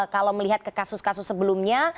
kalau melihat ke kasus kasus sebelumnya